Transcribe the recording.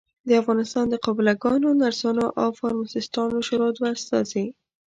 د افغانستان د قابلګانو ، نرسانو او فارمیسټانو شورا دوه استازي